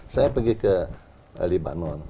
saya pergi ke libanon